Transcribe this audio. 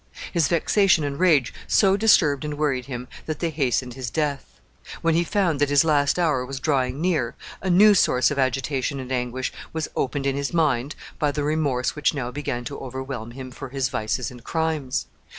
His vexation and rage so disturbed and worried him that they hastened his death. When he found that his last hour was drawing near, a new source of agitation and anguish was opened in his mind by the remorse which now began to overwhelm him for his vices and crimes.